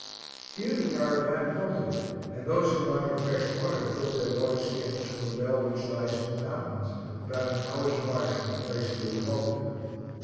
Here the caravan halted, and those who wanted fresh water filled their water skins from the well which lies in the mountains, about an hour's march from the place where we halted.